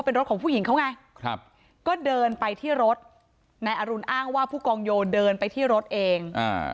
เป็นรถของผู้หญิงเขาไงก็เดินไปที่รถนายอรุณอ้างว่าผู้กองโยเดินไปที่รถเอง